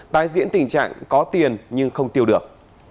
tái diễn tình trạng có tiền nhưng không tiêu được